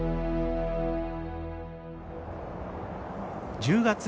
１０月。